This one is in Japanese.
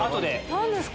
何ですか？